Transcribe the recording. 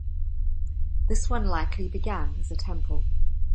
This one likely began as a temple.